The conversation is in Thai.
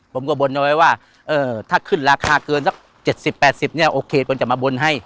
ผมก็บนเอาไว้ว่าถ้าขึ้นราคาเกินเจ็บสิบแปดสิบโอเคผมจะมาบนให้